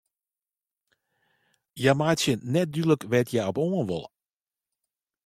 Hja meitsje net dúdlik wêr't hja op oan wolle.